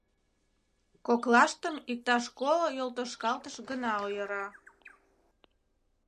Коклаштым иктаж коло йолтошкалтыш гына ойыра.